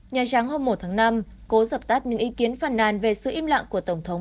nhà trắng hôm một tháng năm cố dập tắt những ý kiến phản nàn về sự im lặng của tổng thống